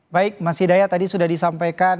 baik mas hidaya tadi sudah disampaikan